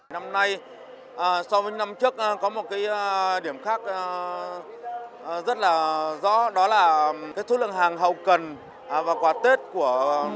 năm nay so với năm trước có một điểm khác rất là rõ đó là số lượng hàng hậu cần và quà tết của